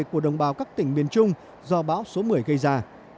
của đồng bào các tỉnh miền trung do bão số một mươi gây ra